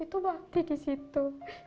itu mati di situ